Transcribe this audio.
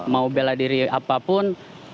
mau beladiri apapun